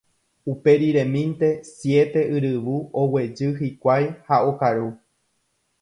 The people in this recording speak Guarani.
Uperiremínte siete yryvu oguejy hikuái ha okaru.